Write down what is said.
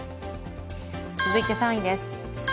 続いて３位です。